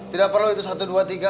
tidak perlu itu satu dua tiga